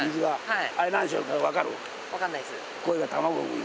はい。